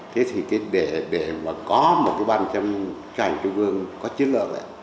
thế thì để mà có một cái bàn chân trành trung ương có chất lượng